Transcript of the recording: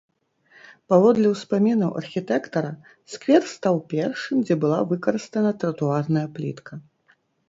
Паводле ўспамінаў архітэктара, сквер стаў першым, дзе была выкарыстана тратуарная плітка.